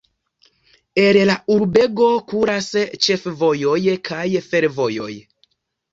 El la urbego kuras ĉefvojoj kaj fervojoj.